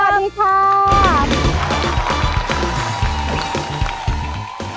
สวัสดีครับ